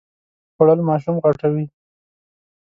خوړل ماشوم غټوي